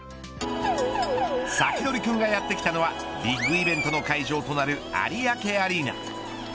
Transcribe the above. サキドリくんがやってきたのはビッグイベントの会場となる有明アリーナ。